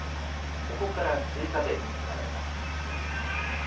ここから追加点につながります。